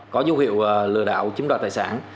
có dấu hiệu lừa đảo chứng đoàn tài sản